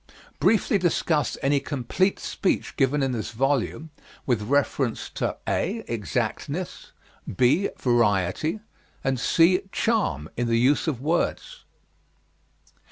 Briefly discuss any complete speech given in this volume, with reference to (a) exactness, (b) variety, and (c) charm, in the use of words.